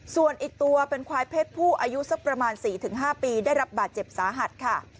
ส่วนอีกตัวเป็นควายเพศผู้อายุสักประมาณ๔๕ปีได้รับบาดเจ็บสาหัสค่ะ